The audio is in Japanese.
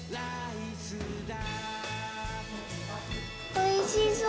おいしそう！